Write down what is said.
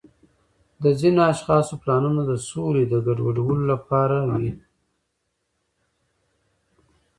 د ځینو اشخاصو پلانونه د سولې د ګډوډولو لپاره وي.